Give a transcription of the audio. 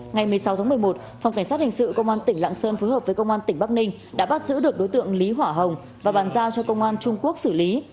ngày một mươi sáu tháng một mươi một phòng cảnh sát hình sự công an tỉnh lạng sơn phối hợp với công an tỉnh bắc ninh đã bắt giữ được đối tượng lý hỏa hồng và bàn giao cho công an trung quốc xử lý